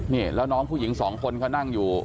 นี่แล้วน้องผู้หญิงสองคนเขานั่งอยู่